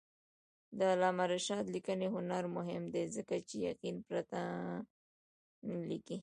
د علامه رشاد لیکنی هنر مهم دی ځکه چې یقین پرته نه لیکي.